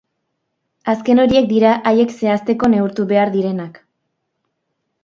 Azken horiek dira haiek zehazteko neurtu behar direnak.